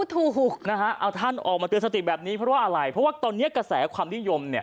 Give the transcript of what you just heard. จนล่าสุดนะพระพยอบออกมาคนไทยทุกคนสติหน่อย